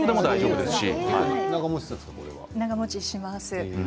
長もちします。